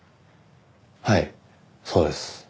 はいそうです。